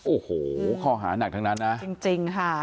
โอ้โหข้อหาหนักทั้งนั้นนะ